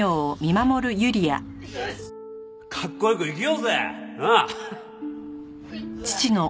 カッコよく生きようぜ。なあ！